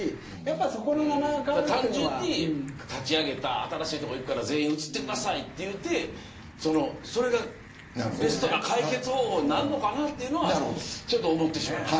単純に立ち上げた新しいところに行くから全員移ってくださいと言ってそれがベストな解決方法になるのかなというのは思ってしまう。